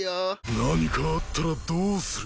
何かあったらどうする？